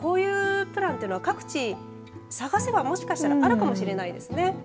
ただこういうプラン各地域探せばもしかしたらあるかもしれないですね。